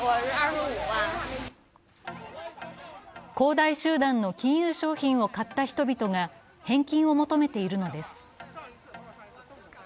恒大集団の金融商品を買った人々が返金を求めているのです。